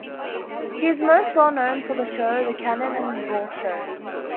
He is most well known for the show "The Cannon and Ball Show".